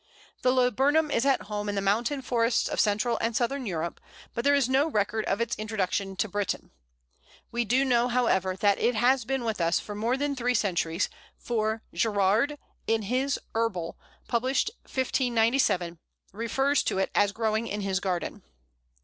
The Laburnum is at home in the mountain forests of Central and Southern Europe, but there is no record of its introduction to Britain. We do know, however, that it has been with us for more than three centuries, for Gerarde, in his "Herbal," published 1597, refers to it as growing in his garden.